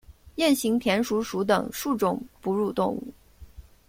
鼹形田鼠属等数种哺乳动物。